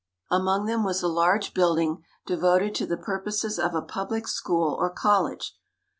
Among them was a large building devoted to the purposes of a public school or college.